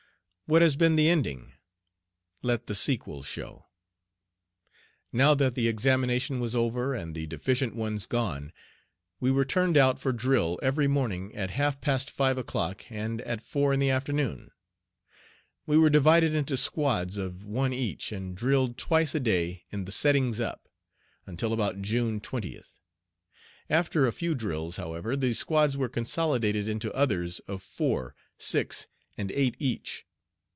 What has been the ending? Let the sequel show. Now that the examination was over and the deficient ones gone, we were turned out for drill every morning at half past five o'clock and at four in the afternoon. We were divided into squads of one each, and drilled twice a day in the "settings up" until about June 20th. After a few drills, however, the squads were consolidated into others of four, six, and eight each.